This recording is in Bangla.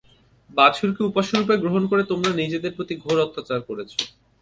বাছুরকে উপাস্যরূপে গ্রহণ করে তোমরা নিজেদের প্রতি ঘোর অত্যাচার করেছ।